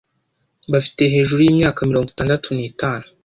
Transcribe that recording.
bafite hejuru y'imyaka mirongo itandatu nitanu